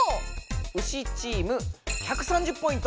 ウシチーム１３０ポイント。